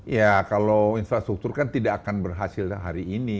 ya kalau infrastruktur kan tidak akan berhasil hari ini